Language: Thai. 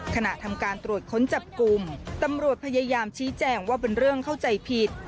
ขณะทำการตรวจค้นจับกลุ่มตำรวจพยายามชี้แจงว่าเป็นเรื่องเข้าใจผิด